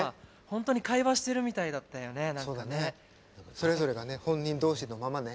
それぞれがね本人同士のままね。